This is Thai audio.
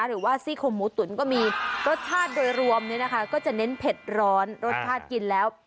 หรือว่าซี่คมหมูตุ๋นก็มีรสชาติโดยรวมเนี่ยนะคะก็จะเน้นเผ็ดร้อนรสชาติกินแล้ว